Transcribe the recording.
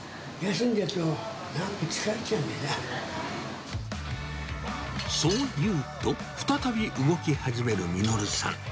休んじゃうと、そう言うと、再び動き始める實さん。